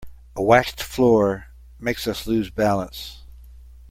A waxed floor makes us lose balance.